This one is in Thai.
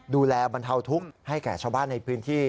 บรรเทาทุกข์ให้แก่ชาวบ้านในพื้นที่